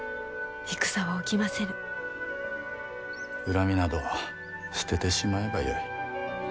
恨みなど捨ててしまえばよい。